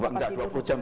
enggak dua puluh jam